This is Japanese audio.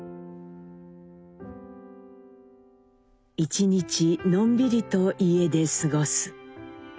「１日のんびりと家で過す。